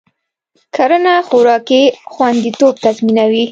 کرنه خوراکي خوندیتوب تضمینوي.